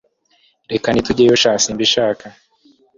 reka nti tujyeyo sha simbishaka